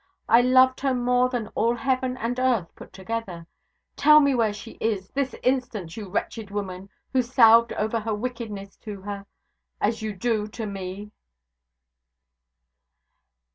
I loved her more than all heaven and earth put together. Tell me where she is, this instant, you wretched woman, who salved over her wickedness to her, as you do to me!'